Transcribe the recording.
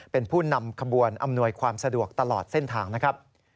เป็นผู้นำขบวนอำนวยความสะดวกตลอดเส้นทางนะครับ